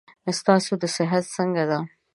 ستاسو صحت څنګه ده.